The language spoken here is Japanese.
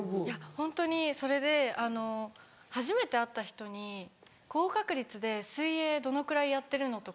ホントにそれであの初めて会った人に高確率で「水泳どのくらいやってるの？」とか。